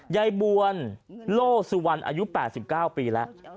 ยายบวนโลสุวรรณอายุ๘๙ปีแล้ว